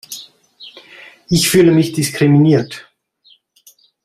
Ich fühle mich diskriminiert!